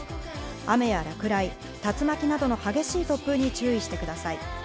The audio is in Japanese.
雨や落雷、竜巻などの激しい突風に注意してください。